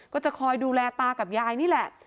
ก็จะคอยดูแลตากับยายนี่แหละ